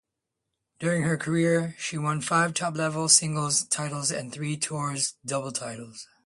During her career, she won five top-level singles titles and three tour doubles titles.